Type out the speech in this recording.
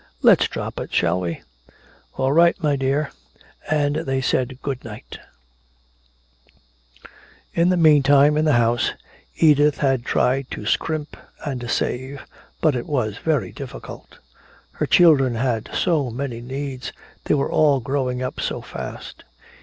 Let's drop it. Shall we?" "All right, my dear " And they said good night ...In the meantime, in the house, Edith had tried to scrimp and save, but it was very difficult. Her children had so many needs, they were all growing up so fast.